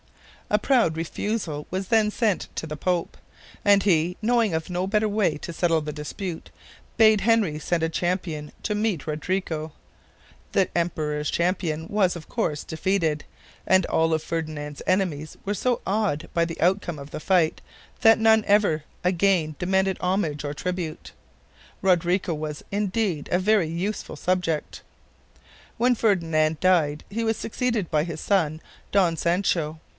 A proud refusal was then sent to the Pope, and he, knowing of no better way to settle the dispute, bade Henry send a champion to meet Rodrigo. The emperor's champion was, of course, defeated, and all of Ferdinand's enemies were so awed by the outcome of the fight that none ever again demanded homage or tribute. Rodrigo was, indeed, a very useful subject. When Ferdinand died, he was succeeded by his son, Don Sancho.